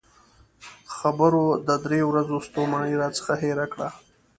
خبرو د درې ورځو ستومانۍ راڅخه هېره کړه.